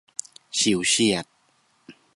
ฉิวเฉียด